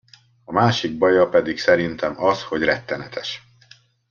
A másik baja pedig szerintem az, hogy rettenetes.